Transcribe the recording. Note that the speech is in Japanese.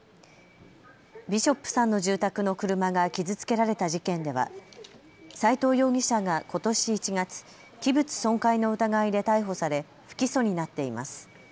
ビショップさんの住宅の車が傷つけられた事件では斎藤容疑者がことし１月器物損壊の疑いで逮捕され不起訴になっています。